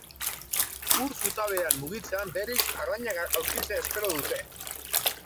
Ur zutabean murgiltzean, berriz, arrainak aurkitzea espero dute.